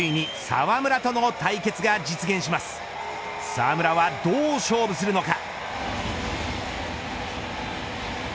澤村はどう勝負するのか。